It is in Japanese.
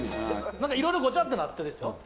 なんか、いろいろごちゃってなってですよ。